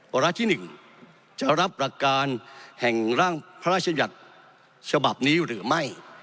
วาระที่หนึ่งจะรับประการแห่งร่างพระราชยัตริย์ฉบับนี้หรือไม่